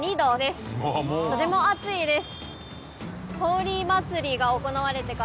とても暑いです。